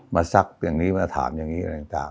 มาซักอย่างนี้มาถามอย่างนี้